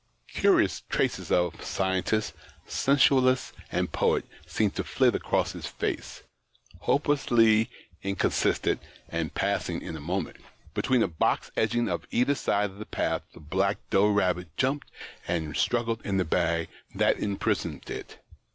Curious traces of scientist, sensualist, and poet, seemed to flit 60 THE OCTAVE OF CLAUDIUS. across his face, hopelessly inconsistent and passing in a moment. Between the box edging on either side of the path the black doe rabbit jumped and struggled in the bag that imprisoned it.